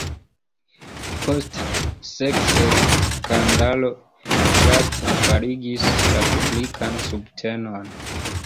Poste seksskandalo draste faligis la publikan subtenon.